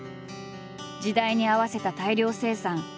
時代に合わせた大量生産。